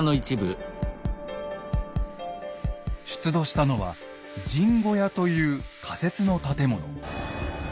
出土したのは「陣小屋」という仮設の建物。